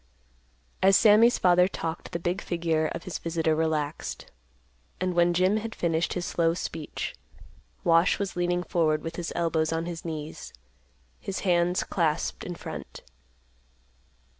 As Sammy's father talked, the big figure of his visitor relaxed, and when Jim had finished his slow speech, Wash was leaning forward with his elbows on his knees, his hands clasped in front.